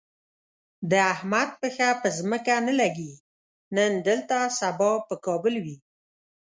د احمد پښه په ځمکه نه لږي، نن دلته سبا په کابل وي.